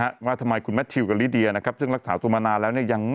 เข้าไปใกล้กันเลยกับทาง